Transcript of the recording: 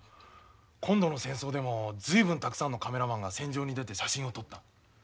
今度の戦争でも随分たくさんのカメラマンが戦場に出て写真を撮った。